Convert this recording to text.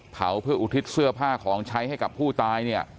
เผาเพื่ออุทิศเสื้อผ้าของใช้ให้กับผู้ตายเนี่ย